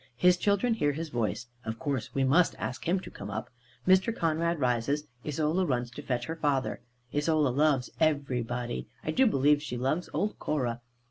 His children hear his voice. Of course, we must ask him to come up. Mr. Conrad rises. Isola runs to fetch her father. Isola loves everybody. I do believe she loves old Cora.